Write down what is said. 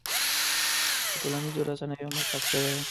په ټولنيزو رسنيو معتاد شوی يم.